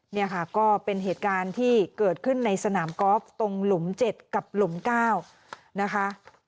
นี่ค่ะก็เป็นเหตุการณ์ที่เกิดขึ้นในสนามกอล์ฟตรงหลุม๗กับหลุม๙นะคะ